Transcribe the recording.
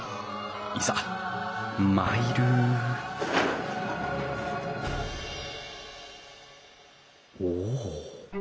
いざ参るお。